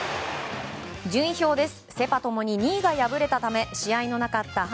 順位表です。